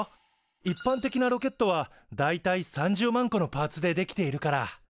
一般的なロケットは大体３０万個のパーツで出来ているから。